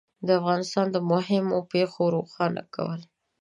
د افغانستان د مهمو پېښو روښانه کول